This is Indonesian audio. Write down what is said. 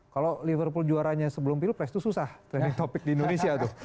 kalau liverpool juaranya sebelum pilpres itu susah trending topic di indonesia tuh